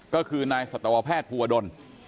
ก็คือนายสัตวแพทย์ภูวดล